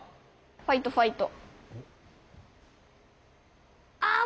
ファイトファイト。